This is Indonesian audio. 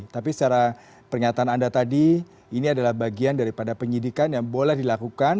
tapi secara pernyataan anda tadi ini adalah bagian daripada penyidikan yang boleh dilakukan